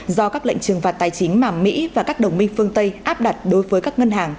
do các lệnh trừng phạt tài chính mà mỹ và các đồng minh phương tây áp đặt đối với các ngân hàng